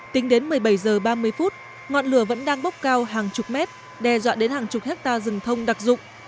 tính đến một mươi bảy h ba mươi phút ngọn lửa vẫn đang bốc cao hàng chục mét đe dọa đến hàng chục hectare rừng thông đặc dụng